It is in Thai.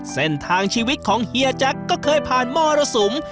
เส้นทางชีวิตของเฮียแจ็คก็เคยผ่านมรสุม